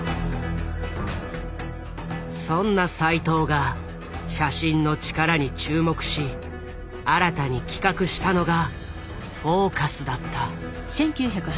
そんな齋藤が写真の力に注目し新たに企画したのが「フォーカス」だった。